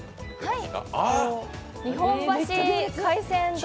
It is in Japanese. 日本橋海鮮丼